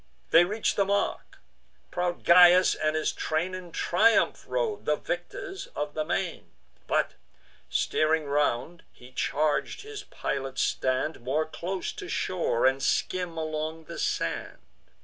They reach'd the mark; proud Gyas and his train In triumph rode, the victors of the main; But, steering round, he charg'd his pilot stand More close to shore, and skim along the sand.